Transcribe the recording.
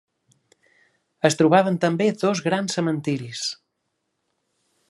Es trobaven també dos grans cementiris.